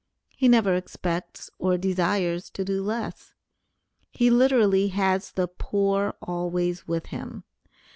He never expects or desires to do less; he literally has the poor always with him.